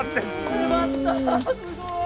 粘ったすごい。